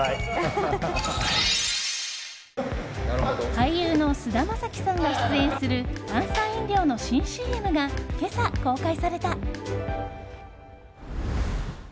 俳優の菅田将暉さんが出演する炭酸飲料の新ＣＭが今朝公開された。